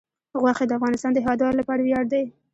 غوښې د افغانستان د هیوادوالو لپاره ویاړ دی.